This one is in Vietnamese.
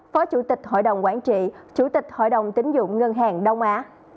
phó chủ tịch hội đồng quản trị chủ tịch hội đồng tính dụng ngân hàng đông á